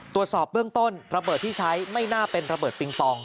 ตรวจสอบเบื้องต้นระเบิดที่ใช้ไม่น่าเป็นระเบิดปิงปอง